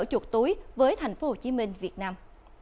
chuột túi với thành phố hồ chí minh việt nam